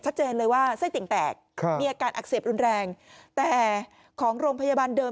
ชัดเจนเลยว่าไส้ติ่งแตกครับมีอาการอักเสบรุนแรงแต่ของโรงพยาบาลเดิม